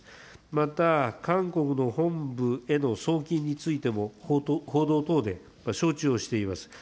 また、韓国の本部への送金についても報道等で承知をしています。